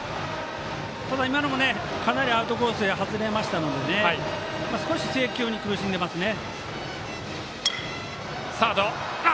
今のもかなりアウトコースに外れましたので少し制球に苦しんでますね。